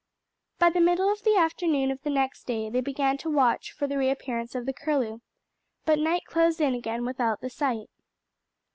By the middle of the afternoon of the next day they began to watch for the reappearance of the Curlew; but night closed in again without the sight.